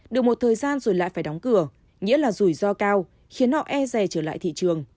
được một thời gian rồi lại phải đóng cửa nghĩa là rủi ro cao khiến họ e rè trở lại thị trường